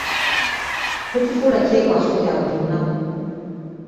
Tokifuula kyekwaso kya buli lunaku.